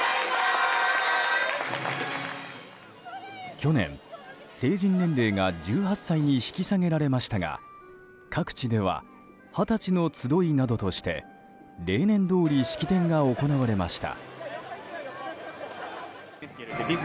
去年、成人年齢が１８歳に引き下げられましたが各地では二十歳の集いなどとして例年どおり式典が行われました。